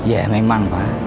ya memang pak